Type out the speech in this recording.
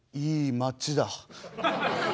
いい町だ。